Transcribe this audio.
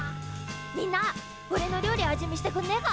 みんなおれの料理味見してくんねえか！？